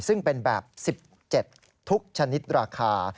ซึ่งเป็นแบบ๑๗ทุกชนิดราคา